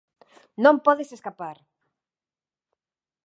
Non podes escapar!